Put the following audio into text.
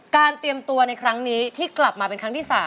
เตรียมตัวในครั้งนี้ที่กลับมาเป็นครั้งที่๓